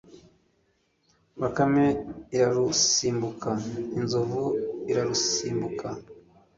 Bakame irarusimbuka ; Inzovu irarusimbuka